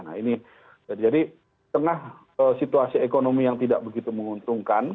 nah ini jadi tengah situasi ekonomi yang tidak begitu menguntungkan